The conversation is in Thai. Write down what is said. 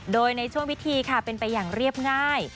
โดยในช่วงพิธีค่ะเป็นไปอย่างเรียบง่าย